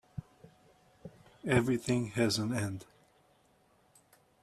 Everything has an end.